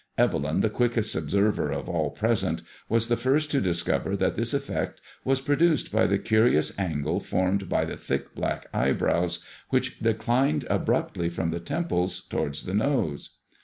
Evelyn, the quickest observer of all present, was the first to discover that this effect was produced by the curious angle formed by the thick black eyebrows which declined abruptly from the temples towards the nose.